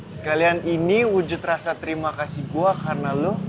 sekalian ini wujud rasa terima kasih gua karena lu